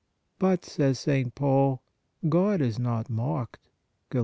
But, says St. Paul, " God is not mocked" (Gal.